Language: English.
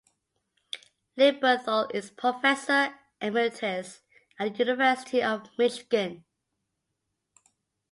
Lieberthal is professor emeritus at the University of Michigan.